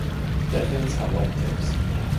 Their fins have white tips.